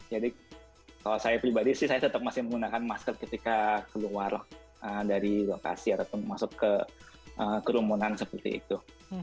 jadi kalau saya pribadi sih saya tetap masih menggunakan masker ketika keluar dari lokasi atau masuk ke kerumunan seperti itu